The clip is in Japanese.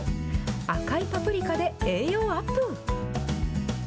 赤いパプリカで栄養アップ。